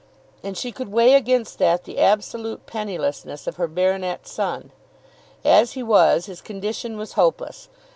And she could weigh against that the absolute pennilessness of her baronet son. As he was, his condition was hopeless.